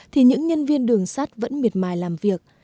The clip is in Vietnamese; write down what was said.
thì những nhân viên đường sắt vẫn miệt mài làm việc